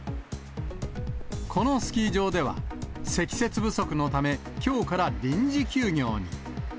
このスキー場では、積雪不足のため、きょうから臨時休業に。